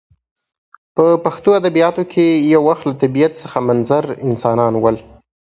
په پښتو ادبیاتو کښي یو وخت له طبیعت څخه منظر انسانان ول.